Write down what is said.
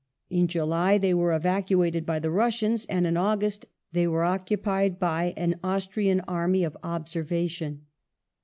In July they were evacuated by the Russians, and in August they were occupied by an Austrian army of observation.